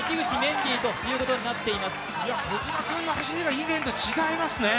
小島君の走りがかなり以前と違いますね。